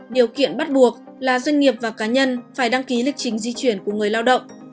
điều kiện bắt buộc là doanh nghiệp và cá nhân phải đăng ký lịch trình di chuyển của người lao động